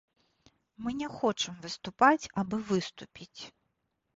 Мы не хочам выступаць, абы выступіць.